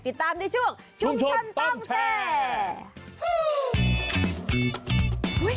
ติดตามในช่วงชุมชนต้องแชร์